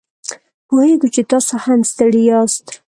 پوهیږو چې تاسو هم ستړي یاست